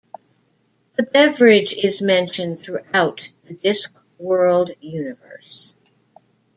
The beverage is mentioned throughout the Discworld universe.